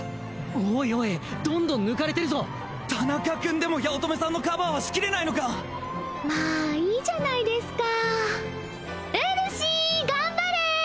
おいおいどんどん抜かれてるぞ田中君でも八乙女さんのカバーはしきれないのかまあいいじゃないですかうるし頑張れ！